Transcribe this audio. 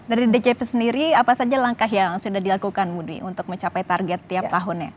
dari dcp sendiri apa saja langkah yang sudah dilakukan budi untuk mencapai target tiap tahunnya